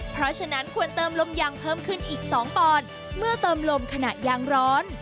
เพราะฉะนั้นควรเติมลมยางเพิ่มขึ้นอีก๒ปอนด์เมื่อเติมลมขณะยางร้อน